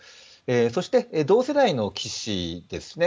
そして同世代の棋士ですね。